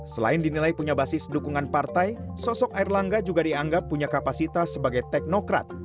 selain dinilai punya basis dukungan partai sosok erlangga juga dianggap punya kapasitas sebagai teknokrat